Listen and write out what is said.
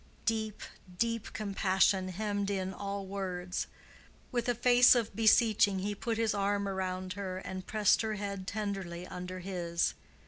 Deep, deep compassion hemmed in all words. With a face of beseeching he put his arm around her and pressed her head tenderly under his.